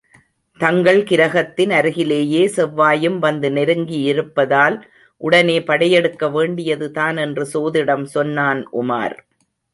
தங்கள் கிரகத்தின் அருகிலேயே செவ்வாயும் வந்து நெருங்கியிருப்பதால், உடனே படையெடுக்க வேண்டியதுதான் என்று சோதிடம் சொன்னான் உமார்.